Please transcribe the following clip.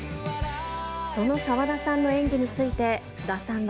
その沢田さんの演技について、菅田さんは。